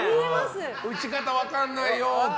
打ち方分かんないよって。